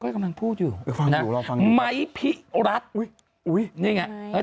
ก็ยกำลังพูดอยู่ฟังอยู่เราฟังอยู่ไหมพิรัติอุ๊ยนี่ไง